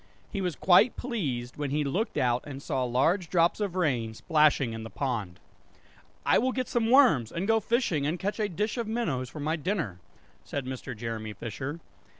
He was quite pleased when he looked out and saw large drops of rain, splashing in the pond "I will get some worms and go fishing and catch a dish of minnows for my dinner," said Mr. Jeremy Fisher.